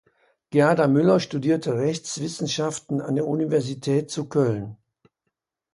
Gerda Müller studierte Rechtswissenschaften an der Universität zu Köln.